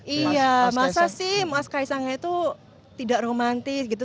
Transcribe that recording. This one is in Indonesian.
iya masa sih mas kaisangnya itu tidak romantis gitu